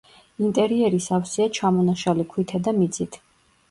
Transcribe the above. ინტერიერი სავსეა ჩამონაშალი ქვითა და მიწით.